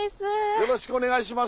よろしくお願いします。